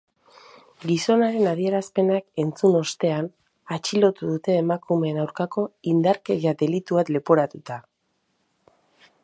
Gizonaren adierazpenak entzun ostean, atxilotu dute emakumeen aurkako indarkeria delitua leporatuta.